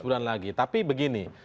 empat belas bulan lagi tapi begini